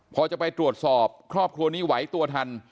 พอจะไปตรวจสอบครอบครัวนี้ไหวตัวทัน